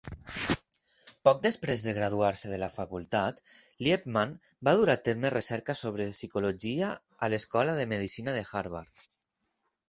Poc després de graduar-se de la facultat, Liebman va dur a terme recerca sobre psicologia a l'Escola de Medicina de Harvard .